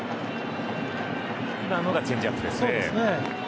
今のがチェンジアップですね。